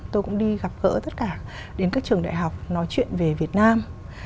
tôi cũng đi gặp gỡ tất cả đến các trường đại học nói chuyện về việt nam